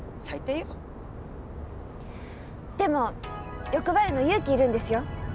でも欲張るの勇気いるんですよ。